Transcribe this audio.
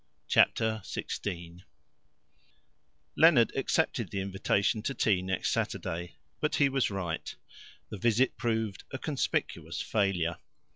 Chapter 16 Leonard accepted the invitation to tea next Saturday. But he was right; the visit proved a conspicuous failure.